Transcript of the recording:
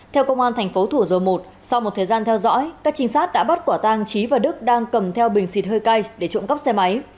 theo công an thành phố thủ dầu một sau một thời gian theo dõi các trinh sát đã bắt quả tang trí và đức đang cầm theo bình xịt hơi cay để trộm cắp xe máy